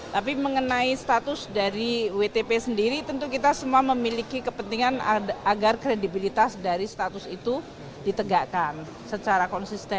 tapi mengenai status dari wtp sendiri tentu kita semua memiliki kepentingan agar kredibilitas dari status itu ditegakkan secara konsisten